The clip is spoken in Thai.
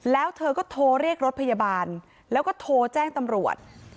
แล้วเธอก็โทรเรียกรถพยาบาลแล้วก็โทรแจ้งตำรวจ